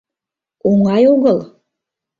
Оҥай огыл.